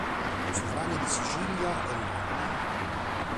Sovrani di Sicilia e Napoli